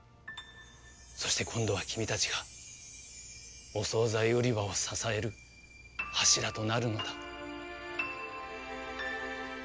そして今度は君たちがお総菜売り場を支える柱となるのだ。